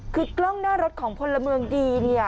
คือกล้องหน้ารถของพลเมืองดีเนี่ย